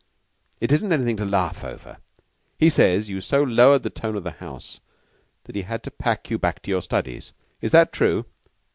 It isn't anything to laugh over. He says that you so lowered the tone of the house he had to pack you back to your studies. Is that true?"